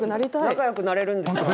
仲良くなれるんですか？